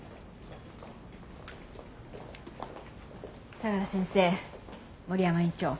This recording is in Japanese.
相良先生森山院長